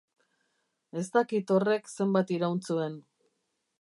Ez dakit horrek zenbat iraun zuen.